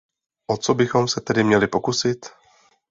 O co bychom se tedy měli pokusit?